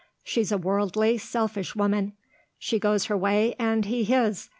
She's a worldly, selfish woman. She goes her way and he his.